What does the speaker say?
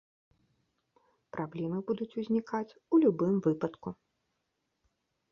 Праблемы будуць узнікаюць у любым выпадку.